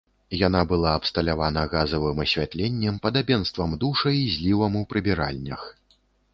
Яна была абсталявана газавым асвятленнем, падабенствам душа і злівам у прыбіральнях.